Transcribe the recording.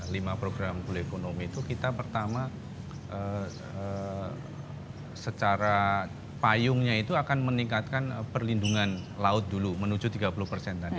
lima program buliekonomi itu kita pertama secara payungnya itu akan meningkatkan perlindungan laut dulu menuju tiga puluh persen tadi